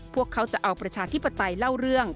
พวกเขาจะเอาประชาธิปไตยเล่าเรื่อง